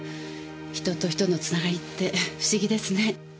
人と人のつながりって不思議ですね。